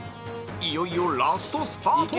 いよいよラストスパート